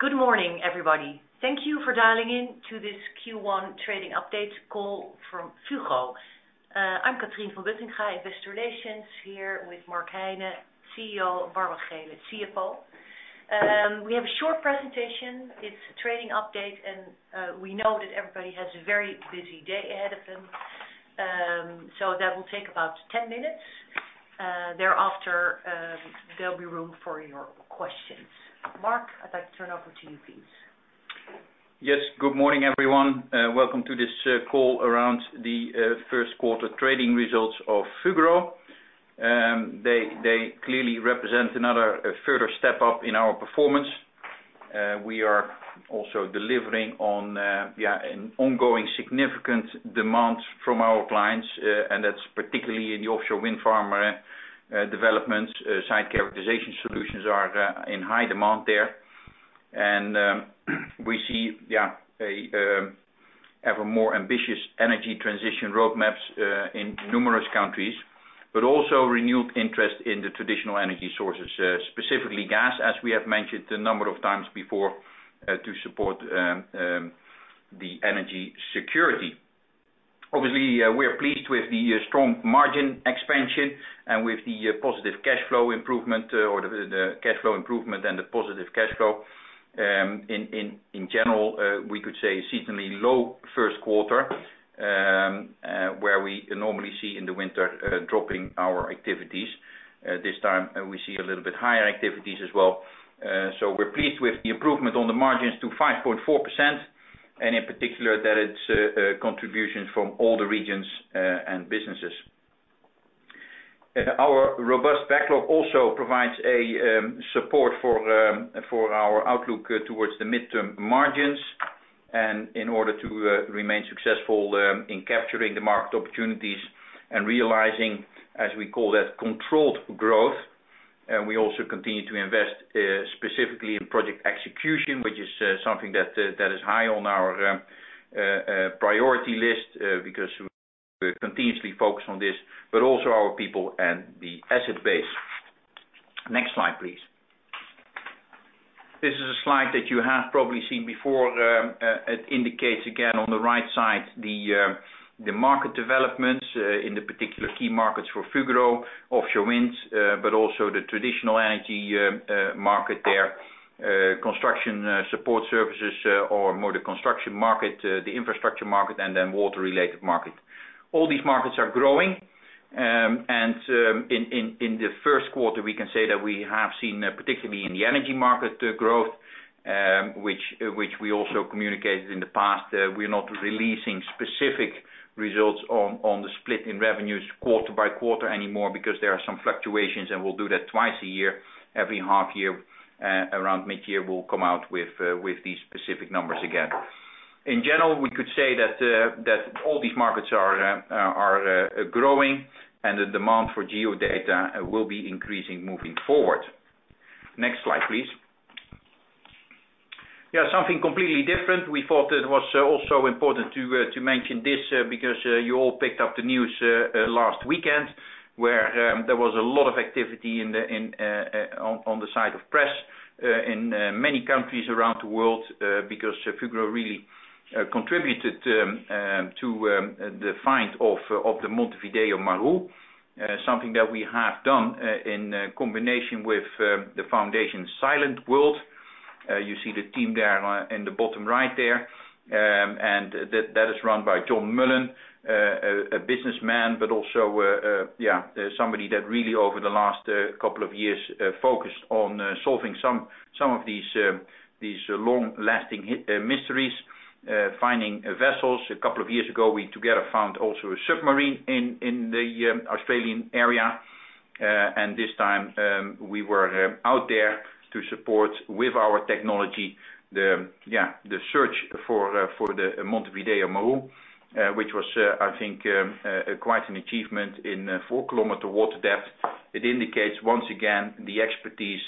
Good morning, everybody. Thank you for dialing in to this Q1 trading update call from Fugro. I'm Catrien van Buttingha, Investor Relations here with Mark Heine, CEO, and Barbara Geelen, CFO. We have a short presentation. It's a trading update, and we know that everybody has a very busy day ahead of them. That will take about 10 minutes. Thereafter, there'll be room for your questions. Mark, I'd like to turn over to you, please. Yes, good morning, everyone. Welcome to this call around the first quarter trading results of Fugro. They clearly represent a further step up in our performance. We are also delivering on an ongoing significant demand from our clients, and that's particularly in the offshore wind farm developments. Site characterization solutions are in high demand there. We see a ever more ambitious energy transition roadmaps in numerous countries, but also renewed interest in the traditional energy sources, specifically gas, as we have mentioned a number of times before, to support the energy security. Obviously, we are pleased with the strong margin expansion and with the positive cash flow improvement, or the cash flow improvement and the positive cash flow. In general, we could say seasonally low first quarter, where we normally see in the winter, dropping our activities. This time, we see a little bit higher activities as well. We're pleased with the improvement on the margins to 5.4%, and in particular that it's a contribution from all the regions and businesses. Our robust backlog also provides a support for our outlook towards the midterm margins and in order to remain successful in capturing the market opportunities and realizing, as we call that, controlled growth. We also continue to invest specifically in project execution, which is something that is high on our priority list, because we continuously focus on this, but also our people and the asset base. Next slide, please. This is a slide that you have probably seen before. It indicates again on the right side the market developments in the particular key markets for Fugro, offshore winds, but also the traditional energy market there, construction support services or more the construction market, the infrastructure market, and then water-related market. All these markets are growing. In the first quarter, we can say that we have seen, particularly in the energy market, growth, which we also communicated in the past. We're not releasing specific results on the split in revenues quarter by quarter anymore because there are some fluctuations, and we'll do that twice a year, every half year. Around mid-year, we'll come out with these specific numbers again. In general, we could say that all these markets are growing and the demand for Geo-data will be increasing moving forward. Next slide, please. Yeah, something completely different. We thought it was also important to mention this because you all picked up the news last weekend, where there was a lot of activity in the on the side of press in many countries around the world because Fugro really contributed to the find of the Montevideo Maru, something that we have done in combination with the Silentworld Foundation. You see the team there in the bottom right there. That is run by John Mullen, a businessman, but also, somebody that really over the last couple of years focused on solving some of these long-lasting mysteries, finding vessels. A couple of years ago, we together found also a submarine in the Australian area. This time, we were out there to support with our technology the search for the Montevideo Maru, which was, I think, quite an achievement in 4-kilometer water depth. It indicates, once again, the expertise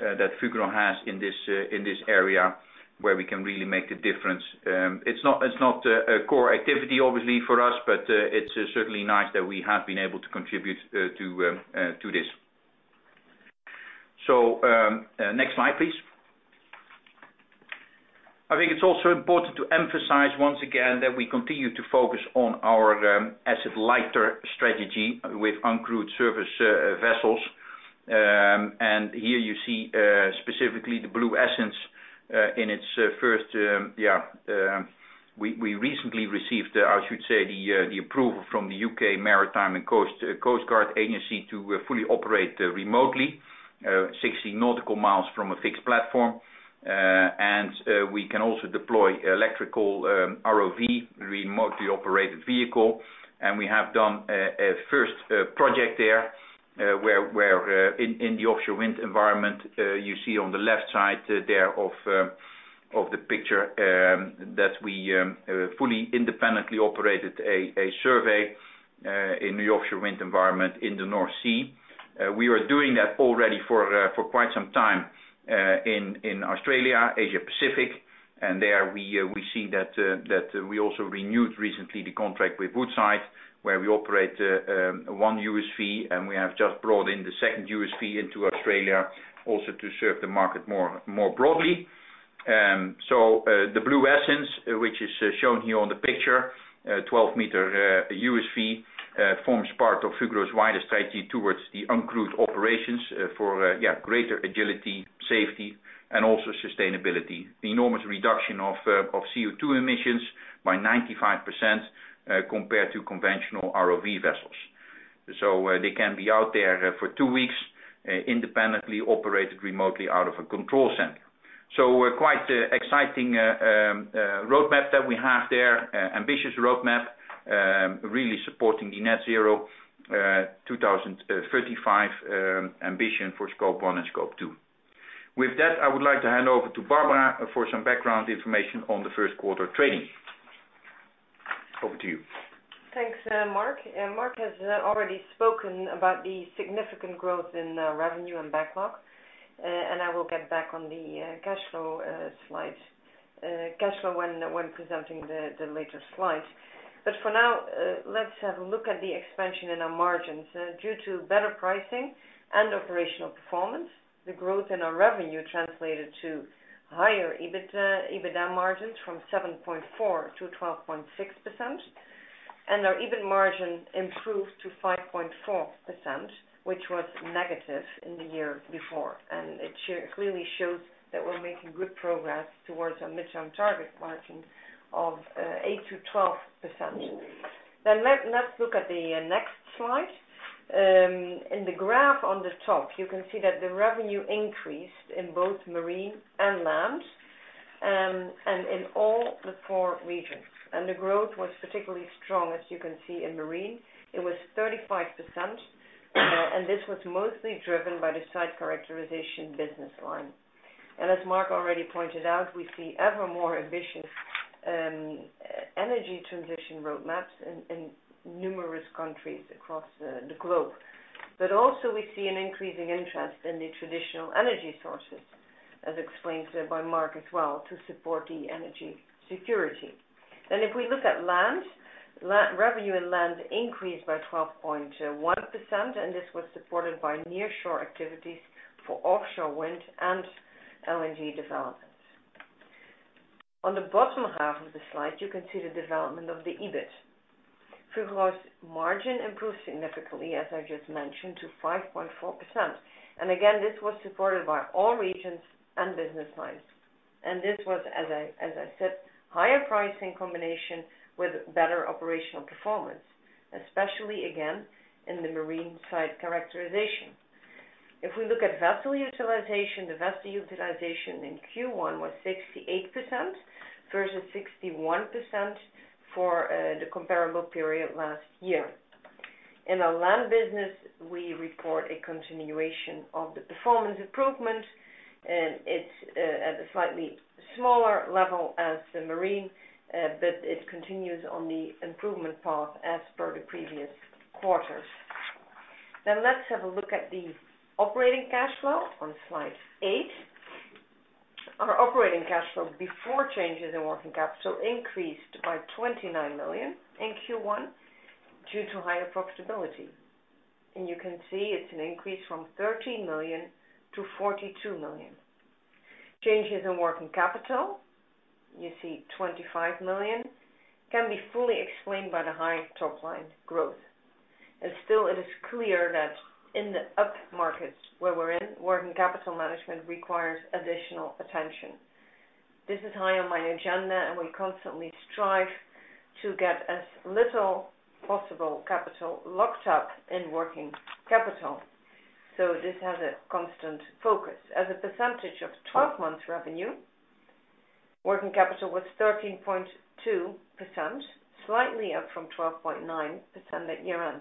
that Fugro has in this area where we can really make a difference. It's not, it's not a core activity obviously for us, but it's certainly nice that we have been able to contribute to to this. Next slide, please. I think it's also important to emphasize once again that we continue to focus on our asset lighter strategy with uncrewed surface vessels. Here you see specifically the Blue Essence in its first, yeah. We recently received, I should say, the approval from the U.K. Maritime and Coastguard Agency to fully operate remotely 60 nautical miles from a fixed platform. We can also deploy electrical ROV, remotely operated vehicle. We have done a first project there, where in the offshore wind environment, you see on the left side there of the picture, that we fully independently operated a survey in the offshore wind environment in the North Sea. We were doing that already for quite some time in Australia, Asia Pacific, and there we see that we also renewed recently the contract with Woodside, where we operate 1 USV, and we have just brought in the 2nd USV into Australia also to serve the market more broadly. The Blue Essence, which is shown here on the picture, 12 meter USV, forms part of Fugro's wider strategy towards the uncrewed operations for greater agility, safety, and also sustainability. The enormous reduction of CO2 emissions by 95% compared to conventional ROV vessels. They can be out there for two weeks independently, operated remotely out of a control center. Quite exciting roadmap that we have there, ambitious roadmap, really supporting the net zero 2035 ambition for Scope 1 and Scope 2. With that, I would like to hand over to Barbara for some background information on the first quarter trading. Over to you. Thanks, Mark. Mark has already spoken about the significant growth in revenue and backlog, I will get back on the cash flow slide cash flow when presenting the later slides. For now, let's have a look at the expansion in our margins. Due to better pricing and operational performance, the growth in our revenue translated to higher EBITA, EBITDA margins from 7.4%-12.6%. Our EBIT margin improved to 5.4%, which was negative in the year before. It clearly shows that we're making good progress towards our midterm target margin of 8%-12%. Let's look at the next slide. In the graph on the top, you can see that the revenue increased in both marine and land, and in all the four regions. The growth was particularly strong, as you can see, in marine. It was 35%, this was mostly driven by the site characterization business line. As Mark already pointed out, we see ever more ambitious energy transition roadmaps in numerous countries across the globe. Also we see an increasing interest in the traditional energy sources, as explained by Mark as well, to support the energy security. If we look at land, revenue in land increased by 12.1%, this was supported by nearshore activities for offshore wind and LNG developments. On the bottom half of the slide, you can see the development of the EBIT. Fugro's margin improved significantly, as I just mentioned, to 5.4%. Again, this was supported by all regions and business lines. This was, as I said, higher pricing combination with better operational performance, especially again, in the Marine Site Characterization. If we look at vessel utilization, the vessel utilization in Q1 was 68% versus 61% for the comparable period last year. In our Land business, we report a continuation of the performance improvement, and it's at a slightly smaller level as the Marine, but it continues on the improvement path as per the previous quarters. Let's have a look at the operating cash flow on Slide eight. Our operating cash flow before changes in working capital increased by 29 million in Q1 due to higher profitability. You can see it's an increase from 13 million to 42 million. Changes in working capital, you see 25 million, can be fully explained by the high top line growth. Still it is clear that in the up markets where we're in, working capital management requires additional attention. This is high on my agenda, and we constantly strive to get as little possible capital locked up in working capital. This has a constant focus. As a percentage of 12 months revenue, working capital was 13.2%, slightly up from 12.9% at year-end.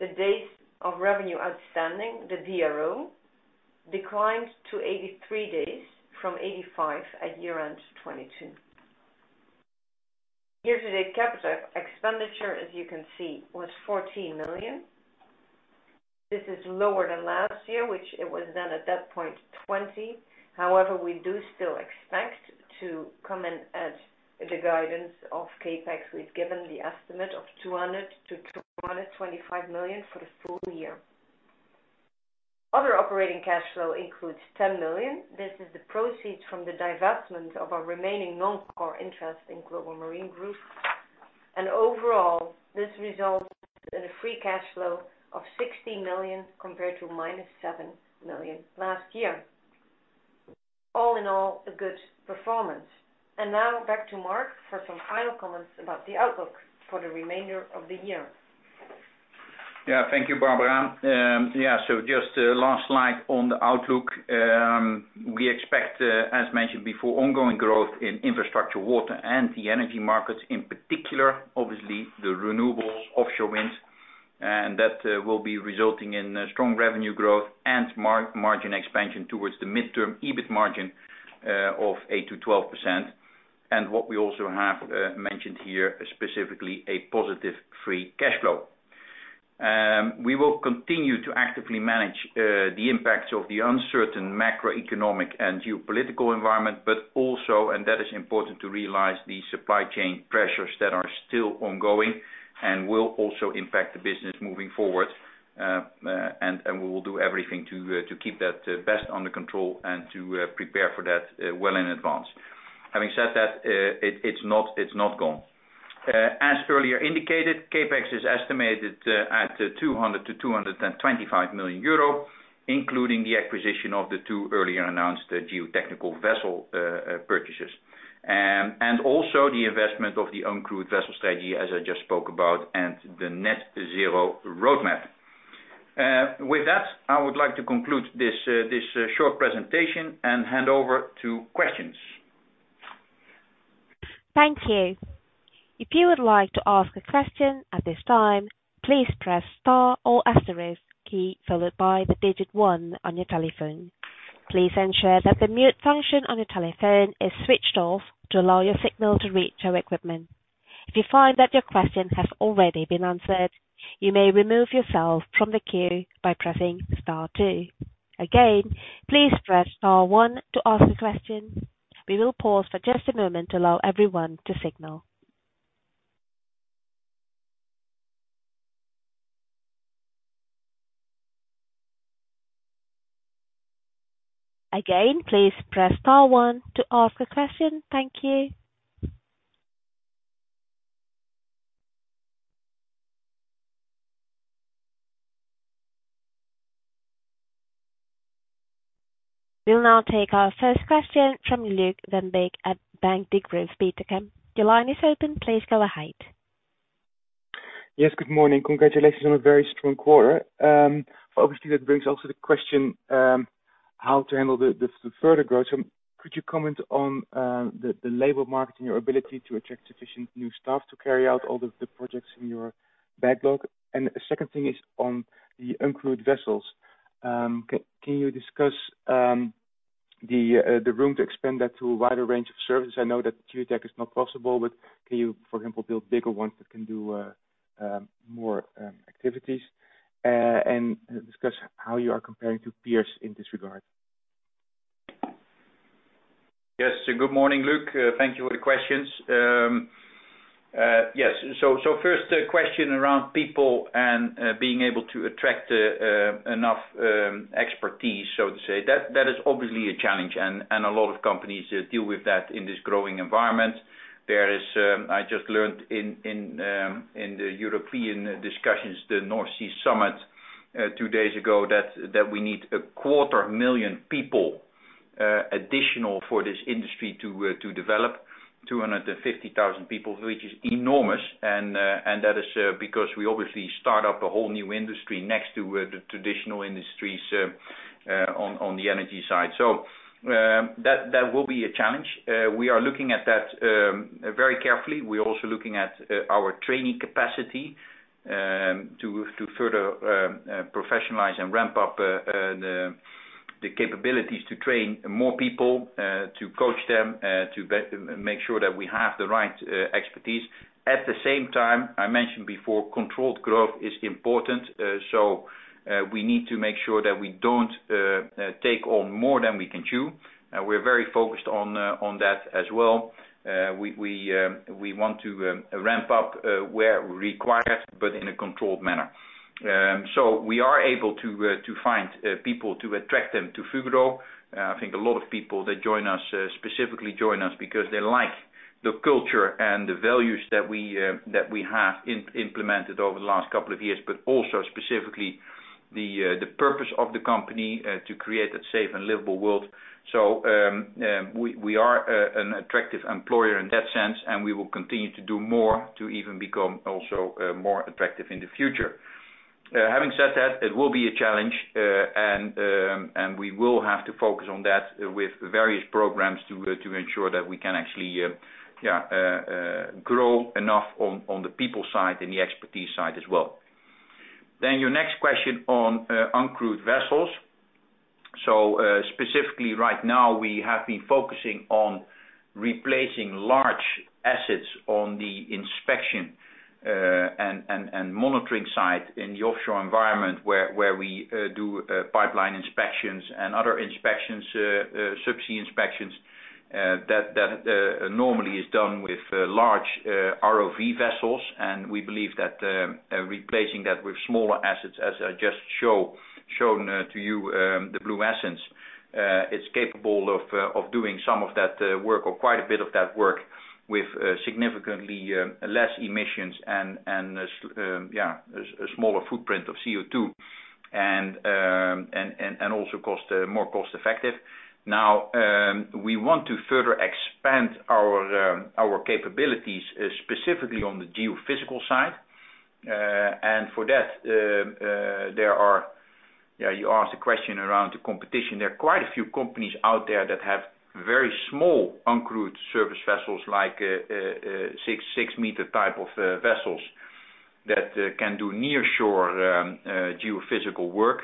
The days of revenue outstanding, the DRO, declined to 83 days from 85 at year-end 2022. Year to date capital expenditure, as you can see, was 14 million. This is lower than last year, which it was then at that point 20 million. However, we do still expect to come in at the guidance of CapEx. We've given the estimate of 200 million-225 million for the full year. Other operating cash flow includes 10 million. This is the proceeds from the divestment of our remaining non-core interest in Global Marine Group. Overall, this results in a Free Cash Flow of 60 million compared to minus 7 million last year. All in all, a good performance. Now back to Mark for some final comments about the outlook for the remainder of the year. Thank you, Barbara. Last slide on the outlook. We expect, as mentioned before, ongoing growth in infrastructure, water, and the energy markets in particular, obviously the renewable offshore winds, and that will be resulting in strong revenue growth and margin expansion towards the midterm EBIT margin of 8%-12%. What we also have mentioned here is specifically a positive Free Cash Flow. We will continue to actively manage the impacts of the uncertain macroeconomic and geopolitical environment, but also, and that is important to realize, the supply chain pressures that are still ongoing and will also impact the business moving forward. We will do everything to keep that best under control and to prepare for that well in advance. Having said that, it's not gone. As earlier indicated, CapEx is estimated at 200 million-225 million euro, including the acquisition of the two earlier announced geotechnical vessel purchases. Also the investment of the uncrewed vessel strategy, as I just spoke about, and the net zero roadmap. With that, I would like to conclude this short presentation and hand over to questions. Thank you. If you would like to ask a question at this time, please press star or asterisk key followed by the digit one on your telephone. Please ensure that the mute function on your telephone is switched off to allow your signal to reach our equipment. If you find that your question has already been answered, you may remove yourself from the queue by pressing star two. Again, please press star one to ask a question. We will pause for just a moment to allow everyone to signal. Again, please press star one to ask a question. Thank you. We will now take our first question from Luuk van Beek at Bank Degroof Petercam. Your line is open. Please go ahead. Yes, good morning. Congratulations on a very strong quarter. Obviously, that brings also the question, how to handle the further growth. Could you comment on the labor market and your ability to attract sufficient new staff to carry out all the projects in your backlog? The second thing is on the uncrewed vessels. Can you discuss the room to expand that to a wider range of services? I know that geotech is not possible, but can you, for example, build bigger ones that can do more activities, and discuss how you are comparing to peers in this regard? Yes. Good morning, Luke. Thank you for the questions. Yes. First question around people and being able to attract enough expertise, so to say. That is obviously a challenge, and a lot of companies deal with that in this growing environment. There is... I just learned in the European discussions, the North Sea Summit, two days ago, that we need a quarter million people additional for this industry to develop. 250,000 people, which is enormous. That is because we obviously start up a whole new industry next to the traditional industries on the energy side. That will be a challenge. We are looking at that very carefully. We're also looking at our training capacity, to further professionalize and ramp up the capabilities to train more people, to coach them, to make sure that we have the right expertise. At the same time, I mentioned before, controlled growth is important. We need to make sure that we don't take on more than we can chew. We're very focused on that as well. We want to ramp up where required, but in a controlled manner. We are able to find people, to attract them to Fugro. I think a lot of people that join us, specifically join us because they like the culture and the values that we have implemented over the last couple of years, but also specifically the purpose of the company to create a safe and livable world. We are an attractive employer in that sense, and we will continue to do more to even become also more attractive in the future. Having said that, it will be a challenge, and we will have to focus on that with various programs to ensure that we can actually grow enough on the people side and the expertise side as well. Your next question on uncrewed vessels. Specifically right now, we have been focusing on replacing large assets on the inspection and monitoring side in the offshore environment where we do pipeline inspections and other inspections, subsea inspections, that normally is done with large ROV vessels. We believe that replacing that with smaller assets, as I just shown to you, the Blue Essence, is capable of doing some of that work or quite a bit of that work with significantly less emissions and a smaller footprint of CO2. Also cost, more cost effective. Now, we want to further expand our capabilities, specifically on the geophysical side. For that, there are... Yeah, you asked a question around the competition. There are quite a few companies out there that have very small uncrewed service vessels like 6-meter type of vessels that can do near shore geophysical work.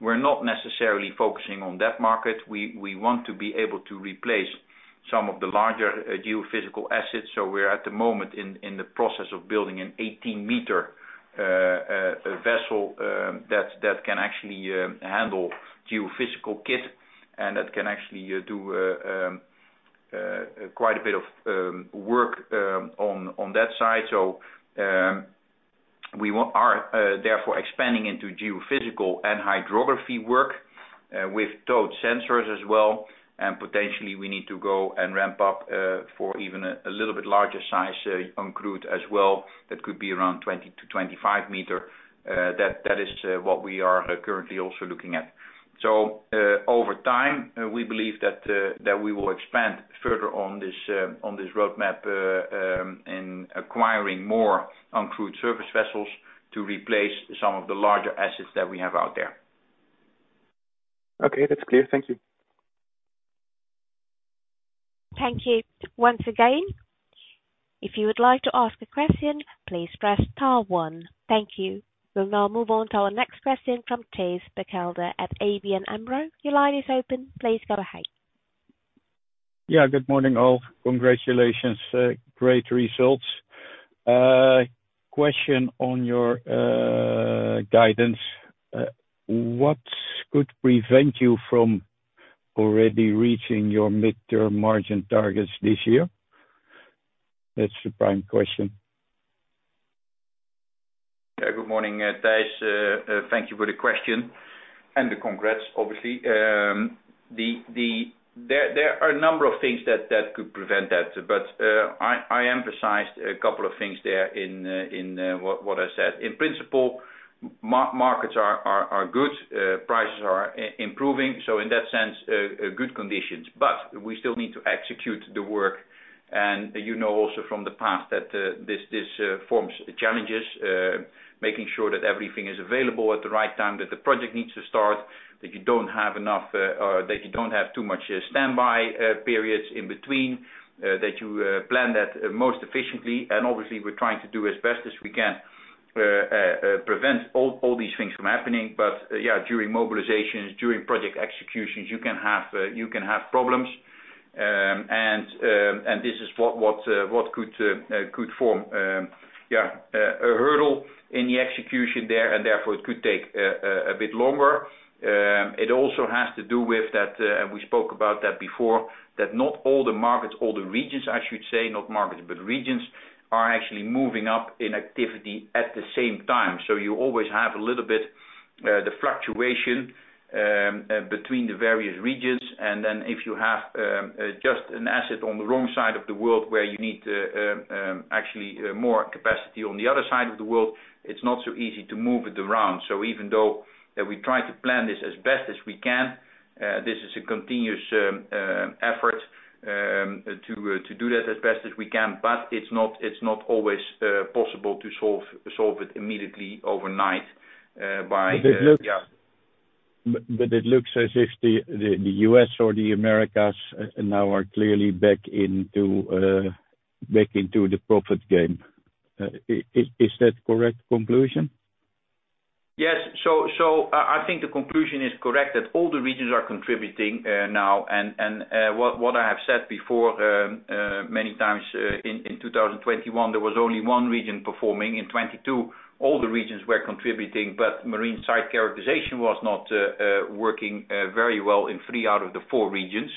We're not necessarily focusing on that market. We want to be able to replace some of the larger geophysical assets. We're at the moment in the process of building an 18-meter a vessel that can actually handle geophysical kit, and that can actually do quite a bit of work on that side. We are therefore expanding into geophysical and hydrography work with towed sensors as well, and potentially we need to go and ramp up for even a little bit larger size uncrewed as well, that could be around 20-25 meter. That is what we are currently also looking at. Over time, we believe that we will expand further on this on this roadmap in acquiring more uncrewed surface vessels to replace some of the larger assets that we have out there. Okay. That's clear. Thank you. Thank you once again. If you would like to ask a question, please press star one. Thank you. We'll now move on to our next question from Thijs Berkelder at ABN AMRO. Your line is open. Please go ahead. Good morning, all. Congratulations. Great results. Question on your guidance. What could prevent you from already reaching your midterm margin targets this year? That's the prime question. Good morning, Thijs. Thank you for the question and the congrats, obviously. There are a number of things that could prevent that, but I emphasized a couple of things there in what I said. In principle, markets are good, prices are improving, so in that sense, good conditions. We still need to execute the work. You know also from the past that this forms challenges, making sure that everything is available at the right time, that the project needs to start, that you don't have enough, that you don't have too much standby periods in between, that you plan that most efficiently. Obviously, we're trying to do as best as we can, prevent all these things from happening. Yeah, during mobilizations, during project executions, you can have problems. This is what could form a hurdle in the execution there and therefore it could take a bit longer. It also has to do with that, and we spoke about that before, that not all the markets, all the regions I should say, not markets, but regions, are actually moving up in activity at the same time. You always have a little bit the fluctuation between the various regions. If you have just an asset on the wrong side of the world where you need actually more capacity on the other side of the world, it's not so easy to move it around. Even though we try to plan this as best as we can, this is a continuous effort to do that as best as we can, but it's not, it's not always possible to solve it immediately overnight. it looks- Yeah. It looks as if the U.S. or the Americas now are clearly back into the profit game. Is that correct conclusion? Yes. I think the conclusion is correct that all the regions are contributing now. What I have said before, many times, in 2021, there was only one region performing. In 22, all the regions were contributing, but Marine Site Characterization was not working very well in three out of the four regions.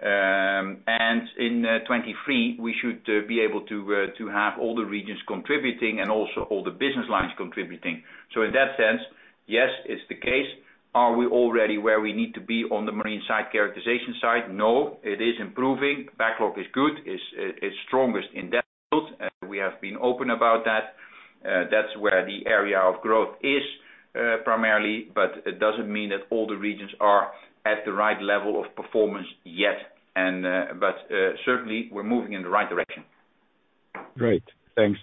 In 23, we should be able to have all the regions contributing and also all the business lines contributing. In that sense, yes, it's the case. Are we already where we need to be on the Marine Site Characterization side? No. It is improving. Backlog is good. It's strongest in that field, and we have been open about that. That's where the area of growth is, primarily, but it doesn't mean that all the regions are at the right level of performance yet, and, but, certainly we're moving in the right direction. Great. Thanks.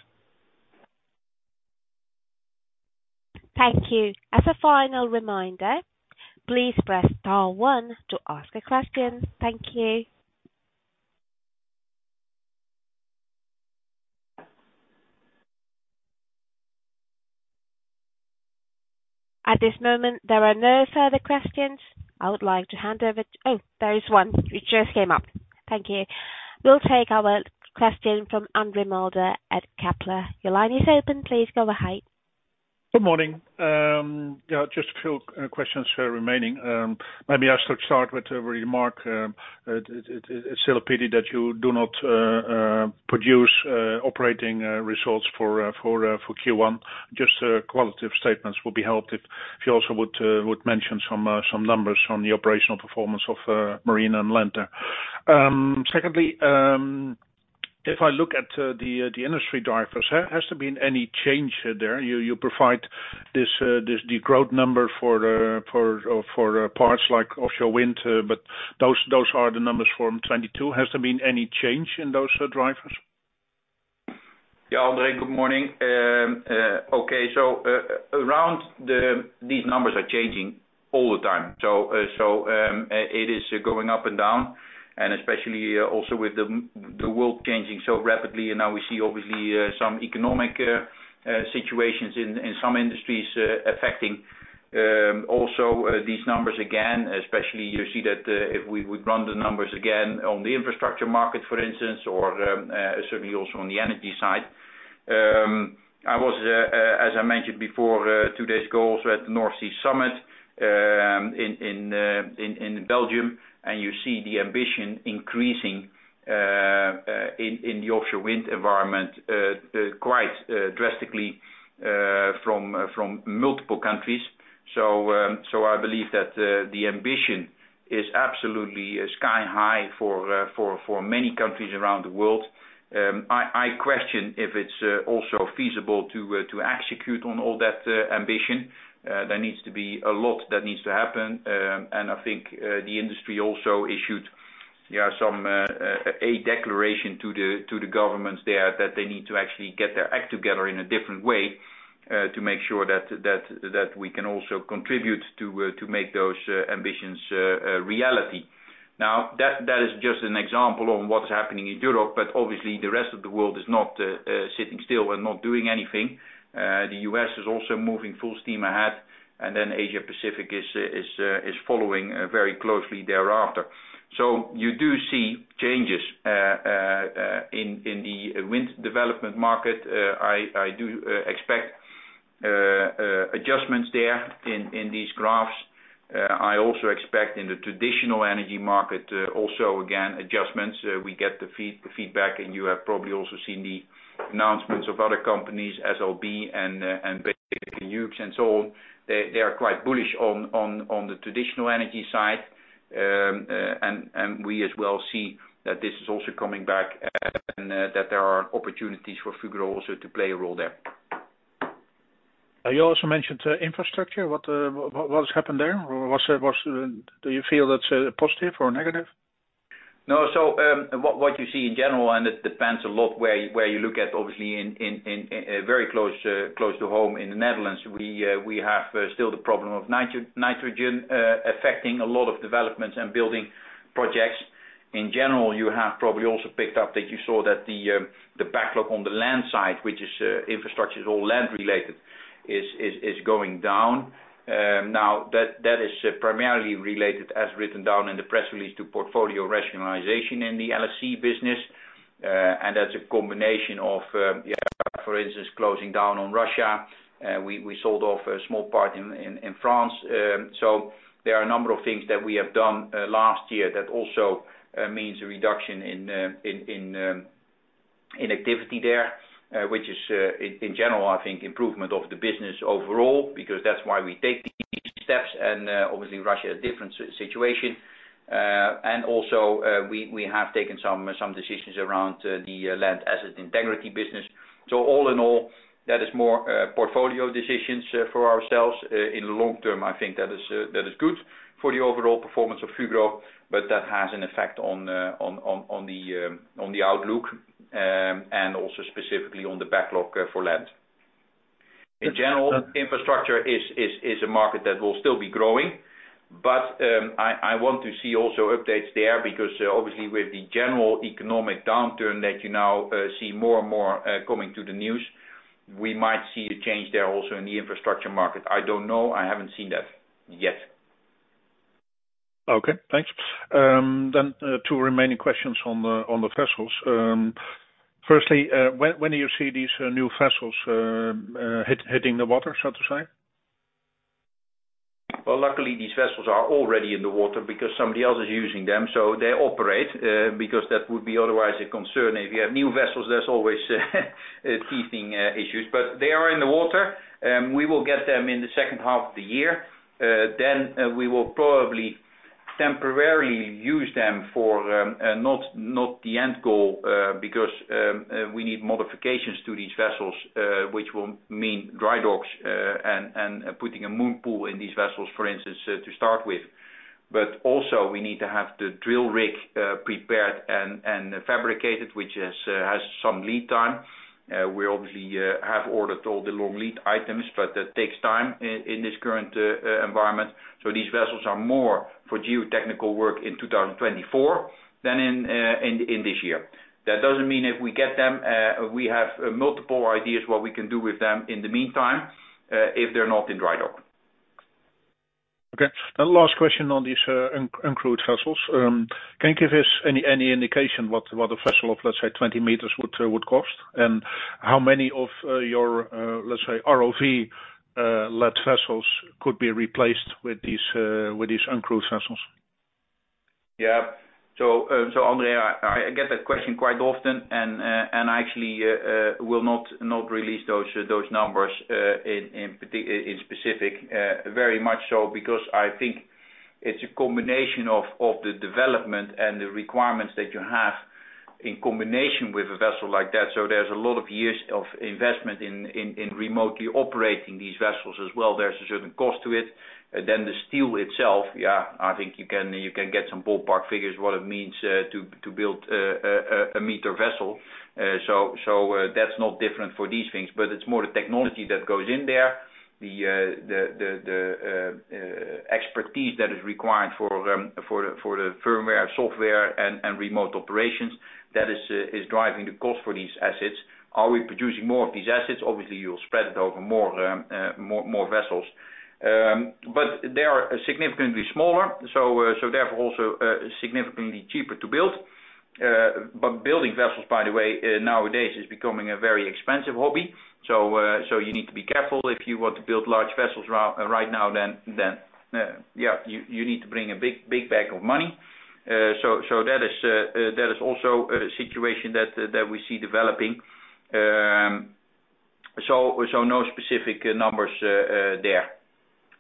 Thank you. As a final reminder, please press star one to ask a question. Thank you. At this moment, there are no further questions. I would like to hand over to... Oh, there is one. It just came up. Thank you. We'll take our question from Andre Mulder at Kepler. Your line is open. Please go ahead. Good morning. Yeah, just a few questions here remaining. Maybe I should start with your remark. It's still a pity that you do not produce operating results for Q1. Just qualitative statements will be helped if you also would mention some numbers on the operational performance of Marine and Land. Secondly, if I look at the industry drivers, has there been any change there? You provide this the growth number for parts like offshore wind, but those are the numbers from 22. Has there been any change in those drivers? Yeah. Andre, good morning. Okay. These numbers are changing all the time, so, it is going up and down. Especially also with the world changing so rapidly, and now we see obviously, some economic situations in some industries affecting also these numbers again, especially you see that, if we run the numbers again on the infrastructure market, for instance, or certainly also on the energy side. I was, as I mentioned before, two days ago, also at the North Sea Summit in Belgium. You see the ambition increasing in the offshore wind environment quite drastically from multiple countries. I believe that the ambition is absolutely sky high for many countries around the world. I question if it's also feasible to execute on all that ambition. There needs to be a lot that needs to happen. I think the industry also issued some a declaration to the governments there that they need to actually get their act together in a different way to make sure that we can also contribute to make those ambitions a reality. That is just an example on what's happening in Europe, but obviously, the rest of the world is not sitting still and not doing anything. The U.S. is also moving full steam ahead, and then Asia Pacific is following very closely thereafter. You do see changes in the wind development market. I do expect adjustments there in these graphs. I also expect in the traditional energy market also again, adjustments. We get the feedback, and you have probably also seen the announcements of other companies, SLB and basically Hughes and so on. They are quite bullish on the traditional energy side. And we as well see that this is also coming back and that there are opportunities for Fugro also to play a role there. You also mentioned infrastructure. What, what has happened there? Do you feel that's positive or negative? No. What you see in general, and it depends a lot where you look at obviously in very close to home in the Netherlands, we have still the problem of nitrogen affecting a lot of developments and building projects. In general, you have probably also picked up that you saw that the backlog on the land side, which is infrastructure, is all land related, is going down. Now that is primarily related as written down in the press release to portfolio rationalization in the LSC business. That's a combination of, yeah, for instance, closing down on Russia. We sold off a small part in France. There are a number of things that we have done last year that also means a reduction in in activity there, which is in general, I think improvement of the business overall because that's why we take these steps and obviously Russia a different situation. Also, we have taken some decisions around the Land Asset Integrity business. All in all, that is more portfolio decisions for ourselves. In the long term, I think that is good for the overall performance of Fugro, but that has an effect on on on on the outlook and also specifically on the backlog for Land. In general, infrastructure is a market that will still be growing. I want to see also updates there because obviously with the general economic downturn that you now see more and more coming to the news, we might see a change there also in the infrastructure market. I don't know. I haven't seen that yet. Okay, thanks. Two remaining questions on the vessels. Firstly, when do you see these new vessels hitting the water, so to say? Luckily these vessels are already in the water because somebody else is using them, so they operate, because that would be otherwise a concern. If you have new vessels, there's always teething issues. They are in the water. We will get them in the second half of the year. Then, we will probably temporarily use them for, not the end goal, because we need modifications to these vessels, which will mean dry docks, and putting a moon pool in these vessels, for instance, to start with. Also we need to have the drill rig, prepared and fabricated, which has some lead time. We obviously, have ordered all the long lead items, but that takes time in this current environment. These vessels are more for geotechnical work in 2024 than in this year. That doesn't mean if we get them, we have multiple ideas what we can do with them in the meantime, if they're not in dry dock. Okay. The last question on these uncrewed vessels. Can you give us any indication what a vessel of, let's say, 20 meters would cost? How many of your, let's say, ROV led vessels could be replaced with these uncrewed vessels? Yeah. Andre, I get that question quite often, and I actually will not release those numbers in specific very much so because I think it's a combination of the development and the requirements that you have in combination with a vessel like that. There's a lot of years of investment in remotely operating these vessels as well. There's a certain cost to it. Then the steel itself, yeah, I think you can get some ballpark figures, what it means to build a meter vessel. That's not different for these things, but it's more the technology that goes in there. The expertise that is required for the firmware, software and remote operations, that is driving the cost for these assets. Are we producing more of these assets? Obviously, you'll spread it over more vessels. But they are significantly smaller, therefore, also, significantly cheaper to build. But building vessels, by the way, nowadays is becoming a very expensive hobby. You need to be careful. If you want to build large vessels right now, you need to bring a big bag of money. That is also a situation that we see developing. So no specific numbers, there.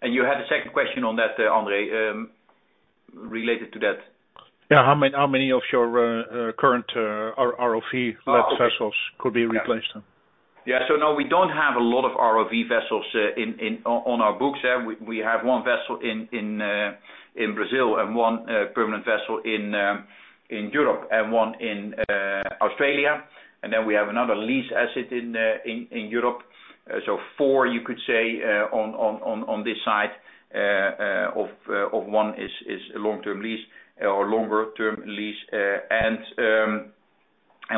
You had a second question on that, Andre, related to that. Yeah. How many of your current ROV-led vessels could be replaced? No, we don't have a lot of ROV vessels, in on our books. We have one vessel in Brazil and one permanent vessel in Europe and one in Australia. We have another lease asset in Europe. Four, you could say, on this side, of one is a long-term lease or longer term lease.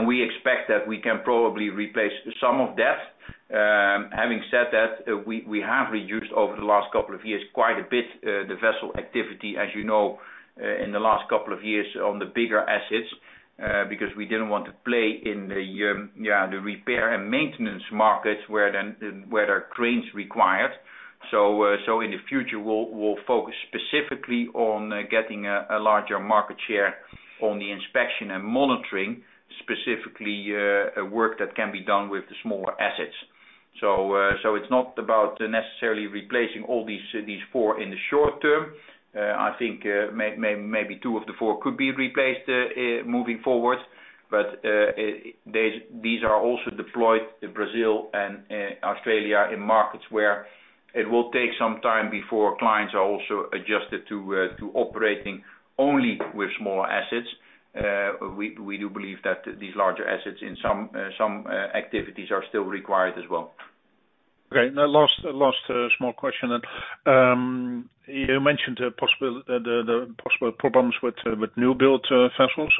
We expect that we can probably replace some of that. Having said that, we have reduced over the last couple of years quite a bit, the vessel activity, as you know, in the last couple of years on the bigger assets, because we didn't want to play in the repair and maintenance markets where the cranes required. In the future, we'll focus specifically on getting a larger market share on the inspection and monitoring, specifically, work that can be done with the smaller assets. It's not about necessarily replacing all these four in the short term. I think, maybe two of the four could be replaced, moving forward. These are also deployed to Brazil and Australia in markets where it will take some time before clients are also adjusted to operating only with smaller assets. We do believe that these larger assets in some activities are still required as well. Okay. Last small question. You mentioned the possible problems with new built vessels.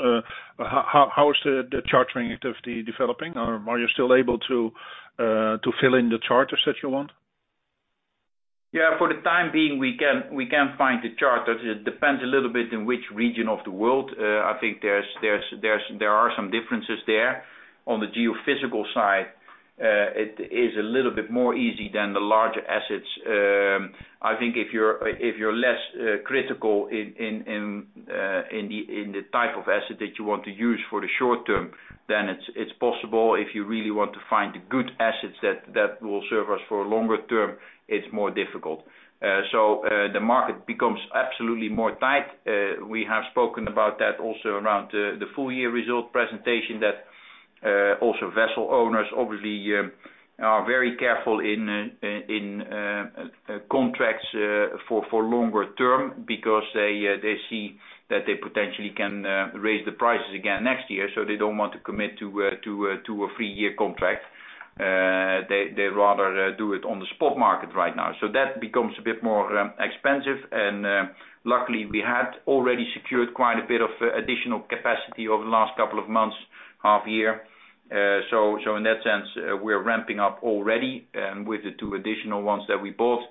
How is the chartering activity developing? Are you still able to fill in the charters that you want? Yeah, for the time being, we can find the charters. It depends a little bit in which region of the world. I think there are some differences there. On the geophysical side, it is a little bit more easy than the larger assets. I think if you're less critical in the type of asset that you want to use for the short term, then it's possible. If you really want to find the good assets that will serve us for a longer term, it's more difficult. The market becomes absolutely more tight. We have spoken about that also around the full year result presentation that also vessel owners obviously are very careful in in contracts for longer term because they see that they potentially can raise the prices again next year. They don't want to commit to a 3-year contract. They rather do it on the spot market right now. That becomes a bit more expensive. Luckily, we had already secured quite a bit of additional capacity over the last couple of months, half year. In that sense, we're ramping up already with the two additional ones that we bought.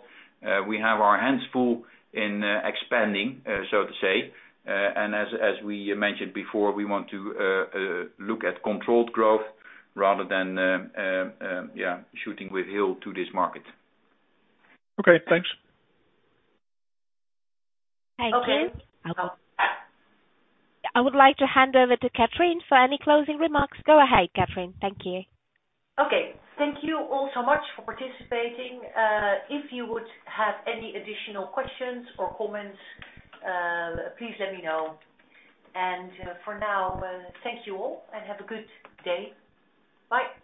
We have our hands full in expanding so to say. As we mentioned before, twe want to look at controlled growth rather than, yeah, shooting with hail to this market. Okay, thanks. Okay. Thank you. I would like to hand over to Catrien for any closing remarks. Go ahead, Catrien. Thank you. Okay. Thank you all so much for participating. If you would have any additional questions or comments, please let me know. For now, thank you all and have a good day. Bye.